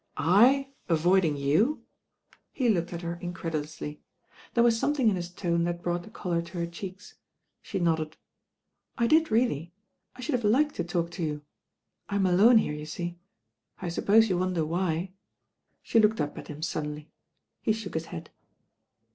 "/ avoiding your He looked at her mcredu THE TfllHTY NINE ARTICLES 171 lously There was something in his tone that brought the colour to her cheeks. She nodded. "I did reaUy. I should have liked to talk to you. I'm aione here, you see. I suppose you wonder why?" Skt looked up at him suddenly. He shook his head.